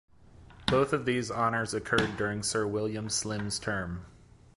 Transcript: Both of these honours occurred during Sir William Slim's term.